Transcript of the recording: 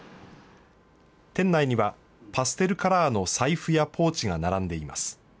店内にはパステルカラーの財布やポーチが並んでいます。